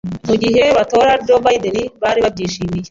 "mu gihe botora Joe Biden bari babyishimiye